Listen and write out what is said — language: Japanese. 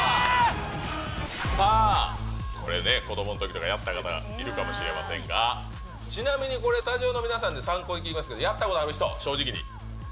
さあ、これね、子どものときとか、やった方いるかもしれませんが、ちなみにこれ、スタジオの皆さんに参考に聞きますけど、やったことある人？